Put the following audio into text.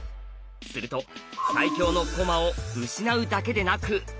すると最強の駒を失うだけでなく。